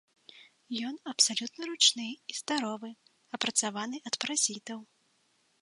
Ён абсалютна ручны і здаровы, апрацаваны ад паразітаў.